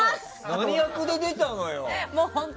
何役で出たのよ？